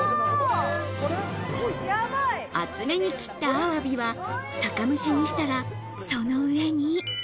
厚めに切ったアワビは酒蒸しにしたら、その上に。